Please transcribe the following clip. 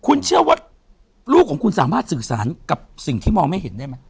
คุณเชื่อว่าลูกของคุณสามารถสื่อสารกับสิ่งที่มองไม่เห็นได้ไหม